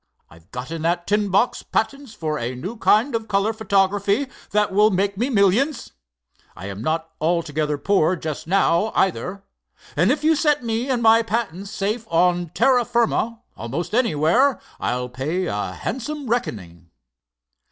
I've got in that tin box patents for a new kind of color photography that will make me millions. I'm not altogether poor just now, either, and if you set me and my patents safe on terra firma almost anywhere, I'll pay a handsome reckoning."